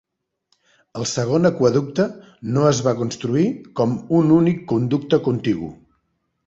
El segon aqüeducte no es va construir com un únic conducte contigu.